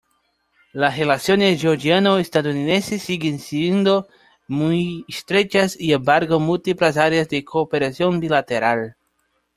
Las relaciones georgiano-estadounidenses siguen siendo muy estrechas y abarcan múltiples áreas de cooperación bilateral.